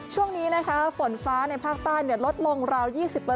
ช่วงนี้นะคะฝนฟ้าในภาคใต้ลดลงราว๒๐